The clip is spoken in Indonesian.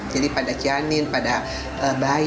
pada janin pada bayi